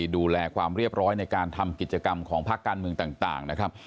ดูแลความเรียบร้อยในการทำกิจกรรมของภาคการเมืองต่างนะครับ